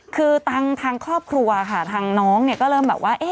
คือทางครอบครัวค่ะทางน้องเนี่ยก็เริ่มแบบว่า